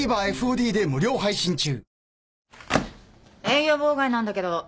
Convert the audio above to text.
営業妨害なんだけど。